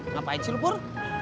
ngapain sih lu pur